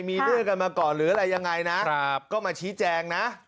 มีเรื่องกันมาก่อนหรืออะไรยังไงนะก็มาชี้แจงนะ